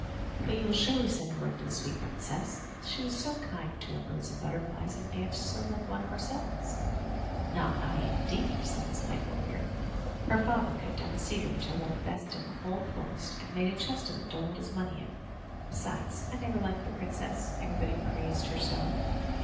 But you will surely send word to the sweet princess! — she was so kind to our birds and butterflies, and danced so like one of ourselves !*' "Not I, indeed!'* said the spiteful fairy. "Her father cut down the cedar which I loved best in the whole forest, and made a chest of it to hold his money in; besides, I never liked the princess — everybody praised her so.